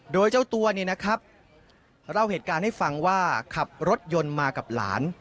โดยเจ้าตัวเนี่ยนะครับเล่าเหตุการณ์ให้ฟังว่าขับรถยนต์มากับหลาน